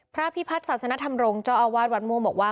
พระพิพัฒน์ศาสนธรรมรงค์เจ้าอาวาสวัดม่วงบอกว่า